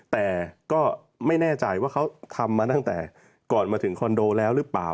แต่ก็ไม่แน่ใจว่าเขาทำมาตั้งแต่ก่อนมาถึงคอนโดแล้วหรือเปล่า